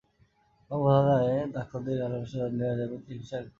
তখন তাদের বোঝানো হয়, ডাক্তারদের হাসপাতালে নিয়ে যাওয়া হবে চিকিৎসার কাজে।